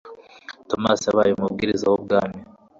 Thomas yabaye umubwiriza w Ubwami